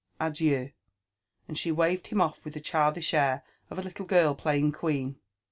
Adieu!" And she waved hin\ off wilh the childish air of a liltle girl playing queen.